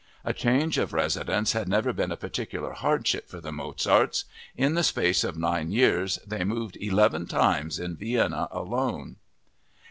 A change of residence had never been a particular hardship for the Mozarts. In the space of nine years they moved eleven times in Vienna alone.